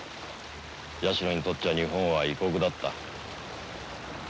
矢代にとっちゃ日本は異国だった。